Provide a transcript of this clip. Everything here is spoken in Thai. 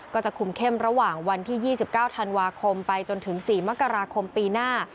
ก็จะคุมเข้มระหว่างวันที่๒๙ธันวาคมไปจนถึง๔มกราคมปีหน้า